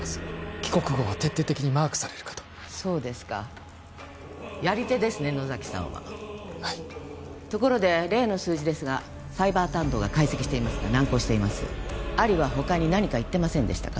帰国後は徹底的にマークされるかとそうですかやり手ですね野崎さんははいところで例の数字ですがサイバー担当が解析していますが難航していますアリは他に何か言ってませんでしたか？